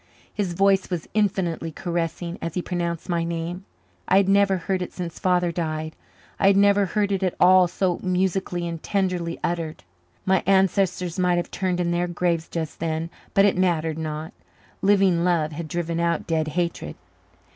His voice was infinitely caressing as he pronounced my name. I had never heard it since Father died I had never heard it at all so musically and tenderly uttered. My ancestors might have turned in their graves just then but it mattered not. Living love had driven out dead hatred.